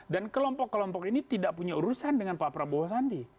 dan kelompok kelompok ini tidak punya urusan dengan pak prabowo sandi